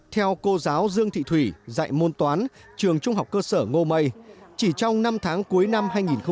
theo cô giáo dương thị thủy dạy môn toán trường trung học cơ sở ngô mây chỉ trong năm tháng cuối năm hai nghìn một mươi chín